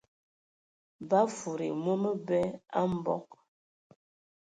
Ba fufudi mɔ məbɛ a mbog.